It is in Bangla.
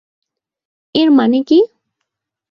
এর মানে কী?